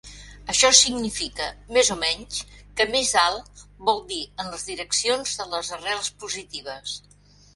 Això significa, més o menys, que "més alt" vol dir en les direccions de les arrels positives.